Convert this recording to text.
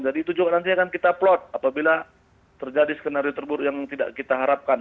jadi itu juga nanti akan kita plot apabila terjadi skenario terburuk yang tidak kita harapkan